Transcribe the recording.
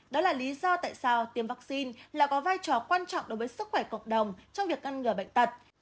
đó là lý do tại sao tiêm vaccine là có vai trò quan trọng đối với sức khỏe cộng đồng trong việc ngăn ngừa bệnh tật